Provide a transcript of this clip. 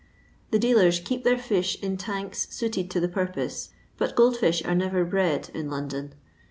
The dealers keep their fish in tanks suited to the purpose, but goldfish are never bred in London.